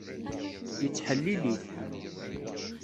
Yettḥellil-it.